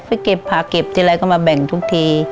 เก็บผักเก็บทีไรก็มาแบ่งทุกที